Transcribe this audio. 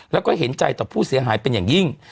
แล้วก็เห็นใจต่อผู้เสียหายเป็นอย่างยิ่ง